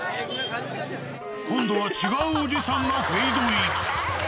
今度は違うおじさんフェードイン。